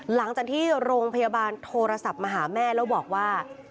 หลังจากที่โรงพยาบาลโทรศัพท์มาหาแม่แล้วบอกว่า